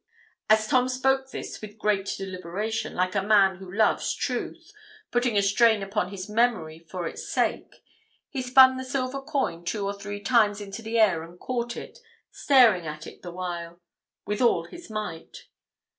As Tom spoke this with great deliberation, like a man who loves truth, putting a strain upon his memory for its sake, he spun the silver coin two or three times into the air and caught it, staring at it the while, with all his might.